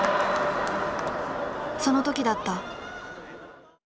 その時だった。